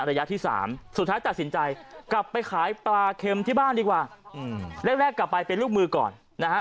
ระยะที่๓สุดท้ายตัดสินใจกลับไปขายปลาเค็มที่บ้านดีกว่าแรกกลับไปเป็นลูกมือก่อนนะฮะ